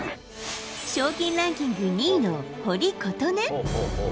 賞金ランキング２位の堀琴音。